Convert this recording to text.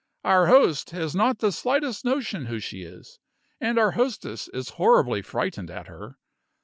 Our host has not the slightest notion who she is; and our hostess is horribly frightened at her.